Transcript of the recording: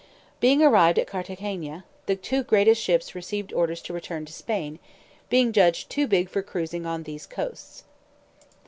"Being arrived at Carthagena, the two greatest ships received orders to return to Spain, being judged too big for cruising on these coasts.